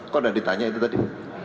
kok udah ditanya itu tadi